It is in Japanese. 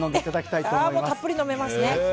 たっぷり飲めますね。